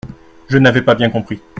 Je n'avais pas bien compris.